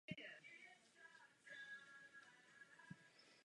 Na východním okraji České Skalice se ze severu vlévá do nádrže Rozkoš.